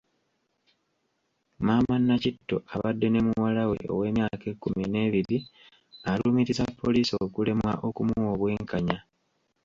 Maama Nakitto abadde ne muwala we ow'emyaka ekkumi n'ebiri alumiriza poliisi okulemwa okumuwa obwenkanya.